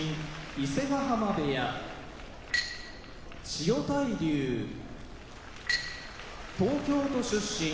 伊勢ヶ濱部屋千代大龍東京都出身